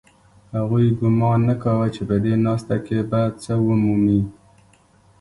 هغوی ګومان نه کاوه چې په دې ناسته کې به څه ومومي